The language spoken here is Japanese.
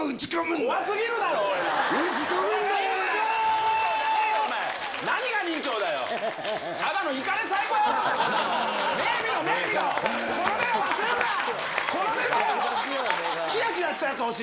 怖すぎるだろ、おい。